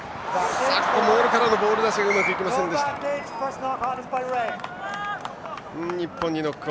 モールからのボール出しがうまくいかなかった。